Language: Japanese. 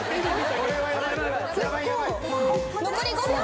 残り５秒。